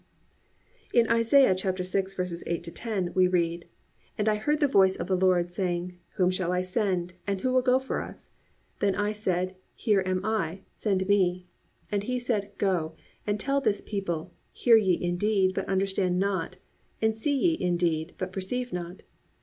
In Isaiah 6:8 10, we read: +"And I heard the voice of the Lord, saying, whom shall I send, and who will go for us? Then I said, here am I; send me. And he said, go, and tell this people, hear ye indeed, but understand not; and see ye indeed, but perceive not.